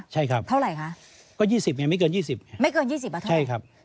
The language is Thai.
ใช่ครับเท่าไหร่ฮะก็ยี่สิบไงไม่เกินยี่สิบไม่เกินยี่สิบอ่ะเท่าไหร่ใช่ครับ